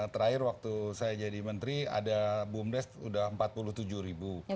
terakhir waktu saya jadi menteri ada bumdes sudah empat puluh tujuh ribu